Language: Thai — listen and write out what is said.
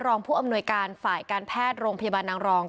รองผู้อำนวยการฝ่ายการแพทย์โรงพยาบาลนางรอง